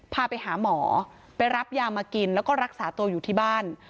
พาไปหาหมอไปรับยามากินแล้วก็รักษาตัวอยู่ที่บ้าน